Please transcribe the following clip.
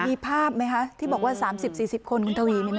มีภาพไหมคะที่บอกว่า๓๐๔๐คนคุณทวี